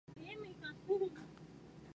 Ni siquiera el nombre era el mismo.